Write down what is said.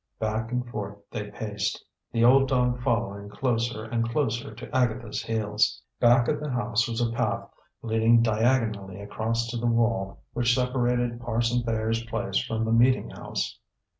Back and forth they paced, the old dog following closer and closer to Agatha's heels. Back of the house was a path leading diagonally across to the wall which separated Parson Thayer's place from the meeting house.